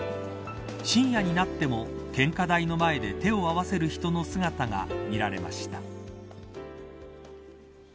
深夜になっても献花台の前で手を合わせる人の姿が見られました。